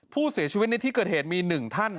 ผู้เสียชีวิตในที่เกิดเหตุมี๑ท่าน